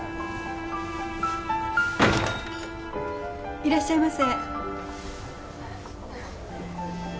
いらっしゃいませ。